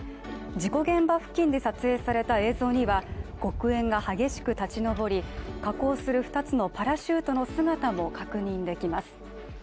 事故現場付近で撮影された映像には黒煙が激しく立ち上り下降する２つのパラシュートの姿も確認できます。